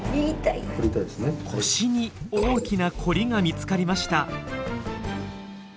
腰に大きなコリが見つかりました。